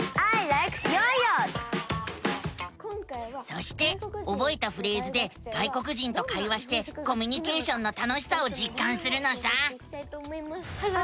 Ｍｉｈｉｒｏそしておぼえたフレーズで外国人と会話してコミュニケーションの楽しさをじっかんするのさ。